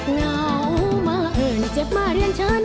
เหงามะเอิญเจ็บมาเรียนเชิญ